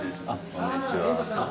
こんにちは。